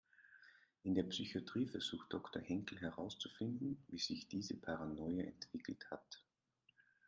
In der Psychatrie versucht Doktor Henkel herauszufinden, wie sich diese Paranoia entwickelt hat.